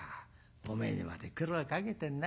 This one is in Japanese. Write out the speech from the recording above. おめえにまで苦労かけてんな。